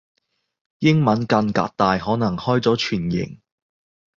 英文間隔大可能開咗全形